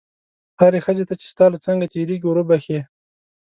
هرې ښځې ته چې ستا له څنګه تېرېږي وربښې.